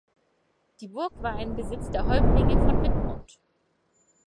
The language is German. Die Burg war im Besitz der Häuptlinge von Wittmund.